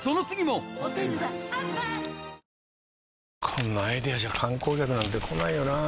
こんなアイデアじゃ観光客なんて来ないよなあ